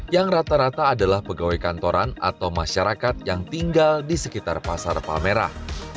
yang rata rata adalah pegawai kantoran atau masyarakat yang tinggal di sekitar pasar palmerah